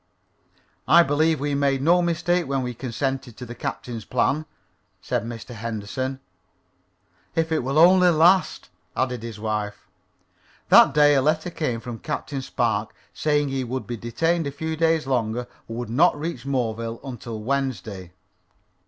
"I believe we made no mistake when we consented to the captain's plan," said Mr. Henderson. "If it will only last," added his wife. That day a letter came from Captain Spark saying he would be detained a few days longer and would not reach Moreville until Wednesday.